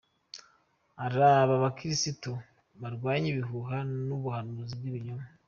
Araaba abakristo kurwanya ibihuha n’ubuhanuzi bw’ibinyoma.